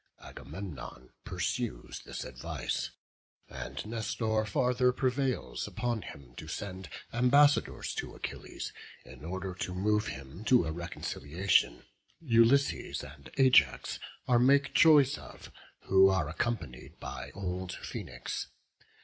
Agamemnon pursues this advice, and Nestor farther prevails upon him to send ambassadors to Achilles in order to move him to a reconciliation. Ulysses and Ajax are made choice of, who are accompanied by old Phoenix.